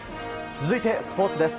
続いて、スポーツです。